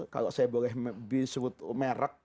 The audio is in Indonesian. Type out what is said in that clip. kalau saya boleh disebut merek